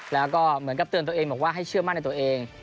แล้วก็เหมือนกับเตือนตัวเองบอกว่าให้เชื่อมั่นในตัวเอง